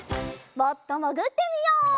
もっともぐってみよう。